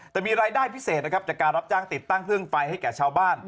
แต่มีรายได้พิเศษนะครับจากการรับจ้างติดตั้งเครื่องไฟให้แก่ชาวบ้าน